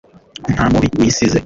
nta mubi wisize